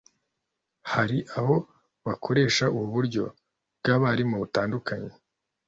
hari aho bakoresha ubu buryo bw’abarimu batandukanye